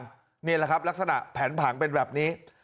นี่แหละครับลักษณะแผนผังเป็นแบบนี้